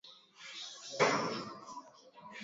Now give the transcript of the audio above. kifungu cha sitini na tisa kama ilivyorekebishwa na sheria